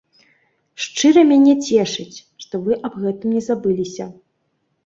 Шчыра мяне цешыць, што вы аб гэтым не забыліся.